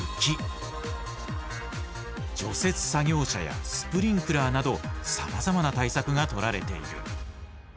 除雪作業車やスプリンクラーなどさまざまな対策が取られている。